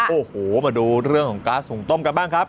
โอ้โหมาดูเรื่องของก๊าซหุ่งต้มกันบ้างครับ